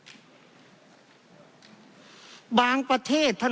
เพราะเรามี๕ชั่วโมงครับท่านนึง